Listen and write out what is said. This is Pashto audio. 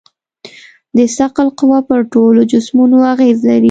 د ثقل قوه پر ټولو جسمونو اغېز لري.